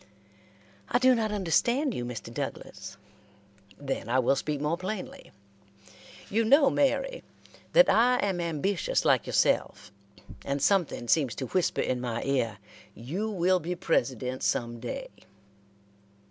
"I do not understand you, Mr. Douglas." "Then I will speak more plainly. You know, Mary, that I am ambitious like yourself, and something seems to whisper in my ear, 'You will be President some day.'